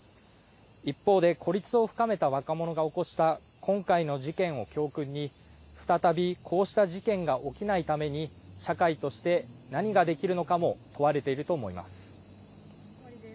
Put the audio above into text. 一方で孤立を深めた若者が起こした今回の事件を教訓に再びこうした事件が起きないために社会として何ができるのかも問われていると思います。